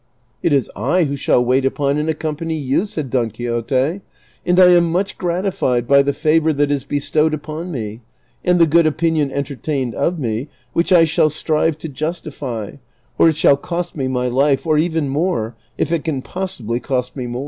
" It is I who shall wait upon and accompany you," said Don Quixote ;" and I am much gratified by the favor that is be stowed upon me, and the good opinion entertained of me, which I shall strive to justify or it shall cost me my life, or even more, if it can possibly cost me more."